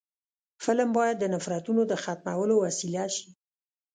فلم باید د نفرتونو د ختمولو وسیله شي